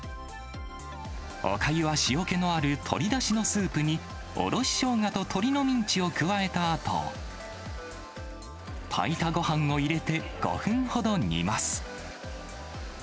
おかゆは塩気のある鶏だしのスープに、おろしショウガと鶏のミンチを加えたあと、炊いたごはんを入れて、５分ほど煮ます。